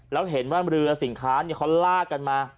แล้วเห็นว่าเรือสินค้าเขาลากกันมา